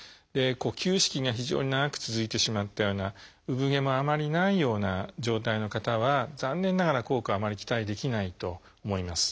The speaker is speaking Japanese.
休止期が非常に長く続いてしまったような産毛もあまりないような状態の方は残念ながら効果はあまり期待できないと思います。